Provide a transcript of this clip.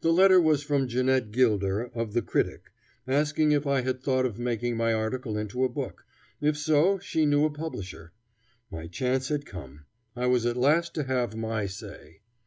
The letter was from Jeanette Gilder, of the Critic, asking if I had thought of making my article into a book. If so, she knew a publisher. My chance had come. I was at last to have my say.